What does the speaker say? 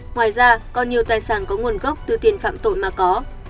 ngoài ra còn nhiều tài sản có nguồn gốc từ tiền phạm tội mà có